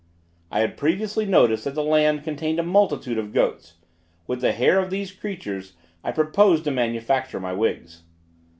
I had previously noticed that the land contained a multitude of goats; with the hair of these creatures I proposed to manufacture my wigs.